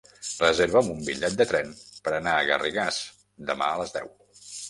Reserva'm un bitllet de tren per anar a Garrigàs demà a les deu.